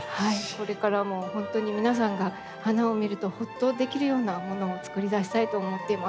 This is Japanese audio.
これからも本当に皆さんが花を見るとほっとできるようなものをつくり出したいと思っています。